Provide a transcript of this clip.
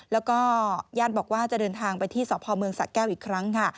แล้วก็ญาติบอกว่าจะเดินทางไปที่สพเมืองสะแก้วอีกครั้งค่ะ